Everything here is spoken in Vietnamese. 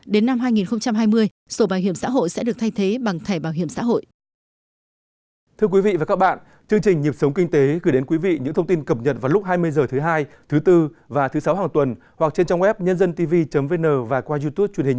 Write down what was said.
đến năm hai nghìn hai mươi sổ bảo hiểm xã hội sẽ được thay thế bằng thẻ bảo hiểm xã hội